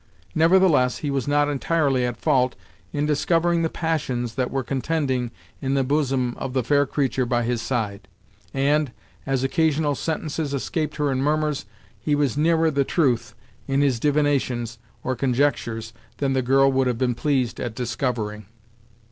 Nevertheless he was not entirely at fault in discovering the passions that were contending in the bosom of the fair creature by his side, and, as occasional sentences escaped her in murmurs, he was nearer the truth, in his divinations, or conjectures, than the girl would have been pleased at discovering.